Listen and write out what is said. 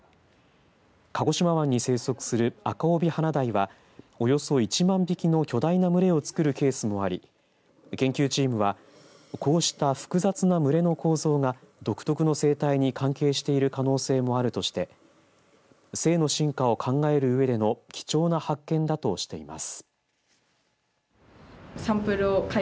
鹿児島湾に生息するアカオビハナダイはおよそ１万匹の巨大な群れをつくるケースもあり研究チームは、こうした複雑な群れの構造が独特の生態に関係している可能性もあるとして性の進化を考えるうえでの貴重な発見だとしています。